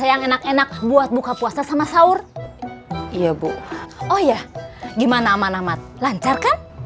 yang enak enak buat buka puasa sama sahur iya bu oh ya gimana aman aman lancar kan